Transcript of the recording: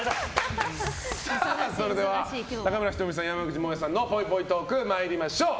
それでは中村仁美さん山口もえさんのぽいぽいトーク、参りましょう。